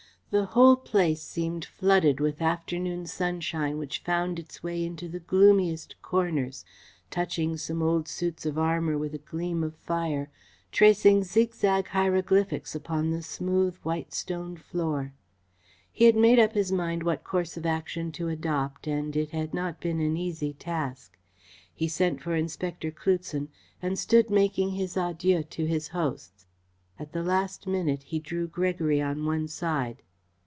The whole place seemed flooded with afternoon sunshine which found its way into the gloomiest corners, touching some old suits of armour with a gleam of fire, tracing zigzag hieroglyphics upon the smooth white stone floor. He had made up his mind what course of action to adopt and it had not been an easy task. He sent for Inspector Cloutson and stood making his adieux to his hosts. At the last minute he drew Gregory on one side.